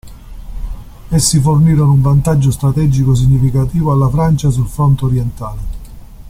Essi fornirono un vantaggio strategico significativo alla Francia sul fronte orientale.